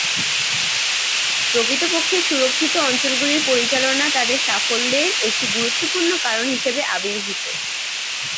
প্রকৃতপক্ষে, সুরক্ষিত অঞ্চলগুলির পরিচালনা তাদের সাফল্যের একটি গুরুত্বপূর্ণ কারণ হিসাবে আবির্ভূত।